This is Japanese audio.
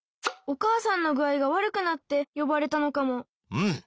うん。